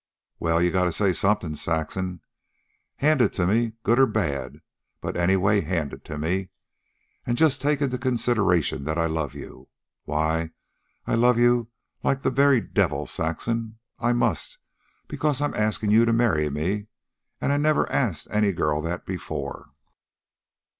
"Well you gotta say something, Saxon. Hand it to me, good or bad; but anyway hand it to me. An' just take into consideration that I love you. Why, I love you like the very devil, Saxon. I must, because I'm askin' you to marry me, an' I never asked any girl that before."